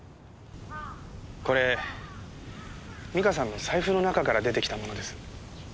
これ実花さんの財布の中から出てきたものです。